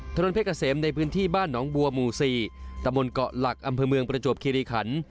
ถนนเพชรเกษมในพื้นที่บ้านหนองบัวหมู่๔ตะบนเกาะหลักอำเภอเมืองประจวบคิริขัน